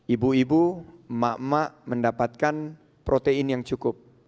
ibu ibu emak emak mendapatkan protein yang cukup